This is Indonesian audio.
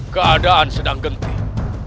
keadaan sedang genting